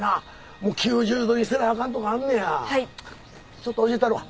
ちょっと教えたるわ。